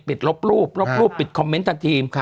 ลบรูปลบรูปปิดคอมเมนต์ทันที